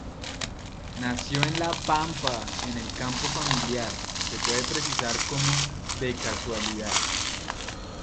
Nació en La Pampa, en el campo familiar, se puede precisar cómo: de casualidad.